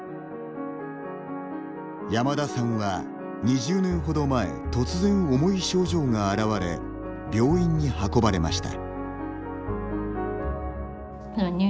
山田さんは、２０年ほど前突然重い症状が現れ病院に運ばれました。